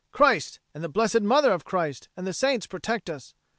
Christ and the Blessed Mother of Christ and the Saints protect us!"